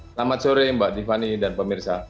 selamat sore mbak tiffany dan pemirsa